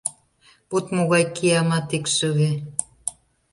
Вот могай киямат икшыве!